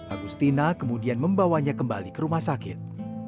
agustina kemudian membawanya kembali ke rumah sakit